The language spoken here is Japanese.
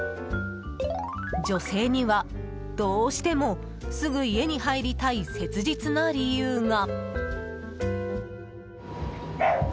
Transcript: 女性には、どうしてもすぐ家に入りたい切実な理由が。